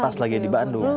pas lagi di bandung